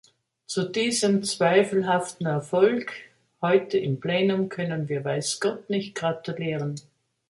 Zu diesem zweifelhaften Erfolg heute im Plenum können wir weiß Gott nicht gratulieren.